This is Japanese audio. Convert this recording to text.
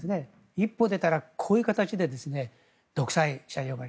一歩出たらこういう形で独裁者呼ばわり。